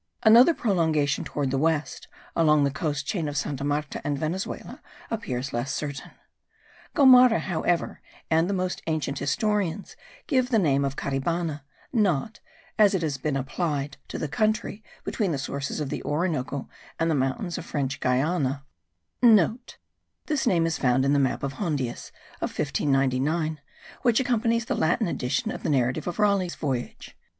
Another prolongation toward the west, along the coast chain of Santa Marta and Venezuela, appears less certain. Gomara, however, and the most ancient historians, give the name of Caribana, not, as it has since been applied, to the country between the sources of the Orinoco and the mountains of French Guiana,* (* This name is found in the map of Hondius, of 1599, which accompanies the Latin edition of the narrative of Raleigh's voyage.